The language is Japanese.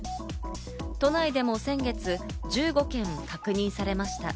都内でも先月、１５件、確認されました。